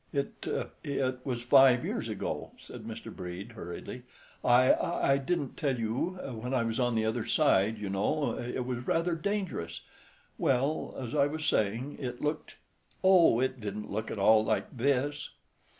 "It—it was five years ago," said Mr. Brede, hurriedly. "I—I didn't tell you—when I was on the other side, you know—it was rather dangerous—well, as I was saying—it looked—oh, it didn't look at all like this."